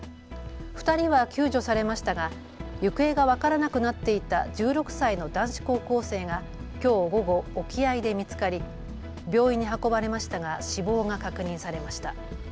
２人は救助されましたが行方が分からなくなっていた１６歳の男子高校生がきょう午後、沖合で見つかり病院に運ばれましたが死亡が確認されました。